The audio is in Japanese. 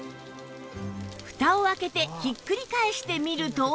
フタを開けてひっくり返してみると